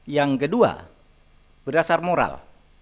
yang kedua berdasar moral